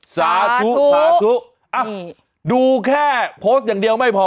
สาธุสาธุดูแค่โพสต์อย่างเดียวไม่พอ